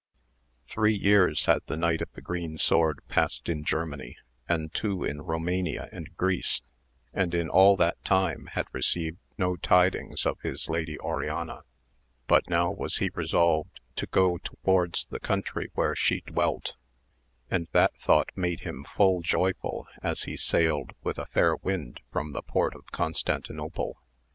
HREE years had the Knight of the Green Sword passed in Germany, and two in Ro mania and Greece, and in all that time had received no tidings of his lady Oriana, but now was he resolved to go towards the country where she dwelt, and that thought made him full joyful as he sailed with a fair wind from the port of Constantinople.